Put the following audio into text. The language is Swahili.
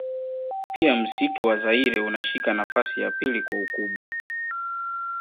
Pia msitu wa zaire unashika nafasi ya pili kwa ukubwa